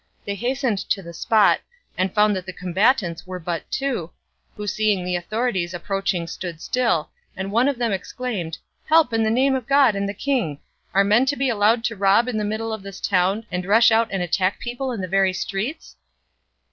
They hastened to the spot, and found that the combatants were but two, who seeing the authorities approaching stood still, and one of them exclaimed, "Help, in the name of God and the king! Are men to be allowed to rob in the middle of this town, and rush out and attack people in the very streets?"